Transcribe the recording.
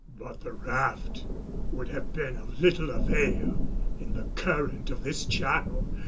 But the raft would have been of little avail in the current of this channel.